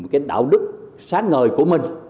cái đạo đức sáng ngời của mình